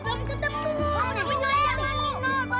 mana penyuhnya bima